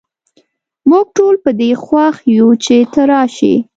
موږ ټول په دي خوښ یو چې ته راشي